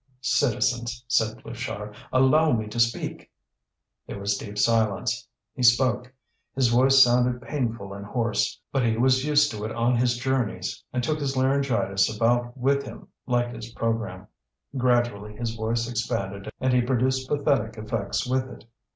"Citizens!" said Pluchart, "allow me to speak!" There was deep silence. He spoke. His voice sounded painful and hoarse; but he was used to it on his journeys, and took his laryngitis about with him like his programme. Gradually his voice expanded and he produced pathetic effects with it.